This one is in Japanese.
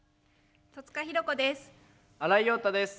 戸塚寛子です。